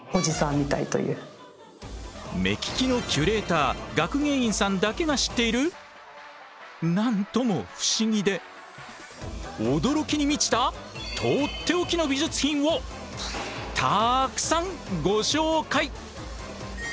目利きのキュレーター学芸員さんだけが知っている何とも不思議で驚きに満ちたとっておきの美術品をたくさんご紹介。